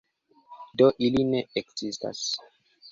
Do ili ne ekzistas.